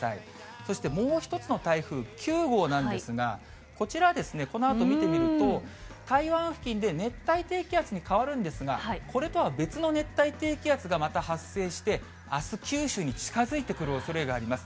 そしてもう一つの台風９号なんですが、こちらですね、このあと見てみると、台湾付近で熱帯低気圧に変わるんですが、これとは別の熱帯低気圧が、また発生して、あす、九州に近づいてくるおそれがあります。